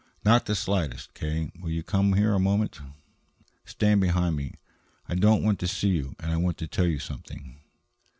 "Not the slightest. K., will you come here a moment? Stand behind me; I don't want to see you, and I want to tell you something."